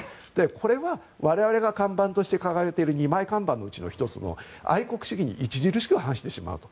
これは我々が看板として掲げている二枚看板のうちの１つの愛国主義に著しく反してしまうと。